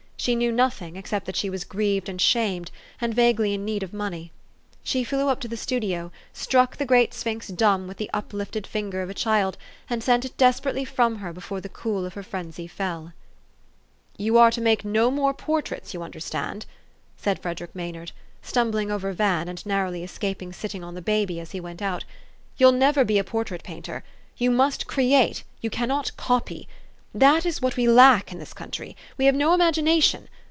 She knew nothing, except that she was grieved and shamed, and vaguely in need of money. She flew to the studio, struck the great sphinx dumb with the uplifted finger of a child, and sent it desperately from her before the cool of her frenzy fell. 374 THE STOKY OF AVIS. " You are to make no more portraits, you under stand/' said Frederick Maynard, stumbling over Van, and narrowly escaping sitting on the baby as he went out. ''You'll never be a portrait painter. You must create: you cannot copy. That is what we lack in this country. We have no imagination.